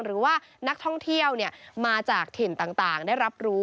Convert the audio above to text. หรือว่านักท่องเที่ยวมาจากถิ่นต่างได้รับรู้